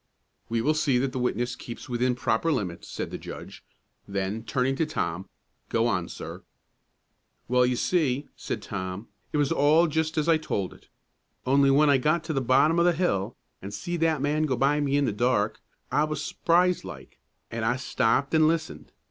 "We will see that the witness keeps within proper limits," said the judge; then, turning to Tom, "Go on, sir." "Well, you see," said Tom, "it was all just as I told it; only when I got to the bottom o' the hill, an' see that man go by me in the dark, I was s'prised like, an' I stopped an' listened.